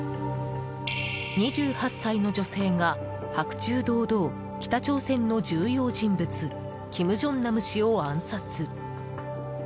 ２８歳の女性が白昼堂々北朝鮮の重要人物金正男氏を暗殺。